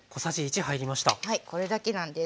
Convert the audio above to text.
はいこれだけなんです。